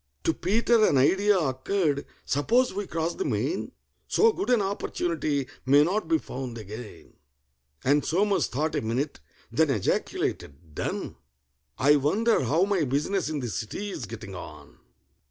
To PETER an idea occurred. "Suppose we cross the main? So good an opportunity may not be found again." And SOMERS thought a minute, then ejaculated, "Done! I wonder how my business in the City's getting on?"